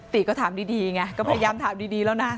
ติก็ถามดีไงก็พยายามถามดีแล้วนะ